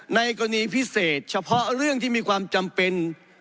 ในกรณีพิเศษเฉพาะเรื่องที่มีความจำเป็น